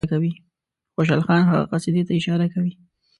خوشحال خان هغه قصیدې ته اشاره کوي.